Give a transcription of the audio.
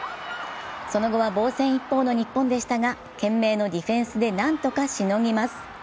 その後は防戦一方の日本でしたが懸命のディフェンスでなんとかしのぎます。